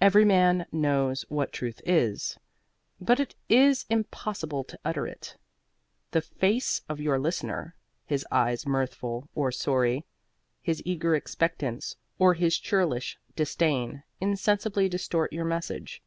Every man knows what Truth is, but it is impossible to utter it. The face of your listener, his eyes mirthful or sorry, his eager expectance or his churlish disdain insensibly distort your message.